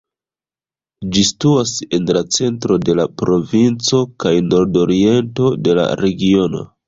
Ĝi situas en la centro de la provinco kaj nordoriento de la regiono.